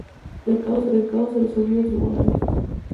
El caso se resolvió fuera de los tribunales.